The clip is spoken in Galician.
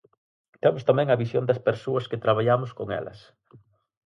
Temos tamén a visión das persoas que traballamos con elas.